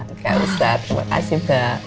enggak usah terima kasih mbak